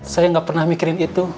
saya nggak pernah mikirin itu